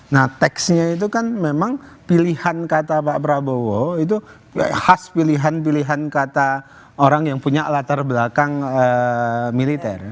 nah teksnya itu kan memang pilihan kata pak prabowo itu khas pilihan pilihan kata orang yang punya latar belakang militer